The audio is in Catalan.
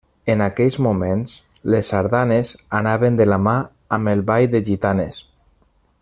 En aquells moments les sardanes anaven de la mà amb el Ball de Gitanes.